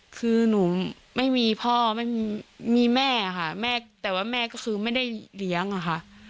คือหนูไม่มีพ่อไม่มีมีแม่ค่ะแม่แต่ว่าแม่ก็คือไม่ได้เลี้ยงอะค่ะ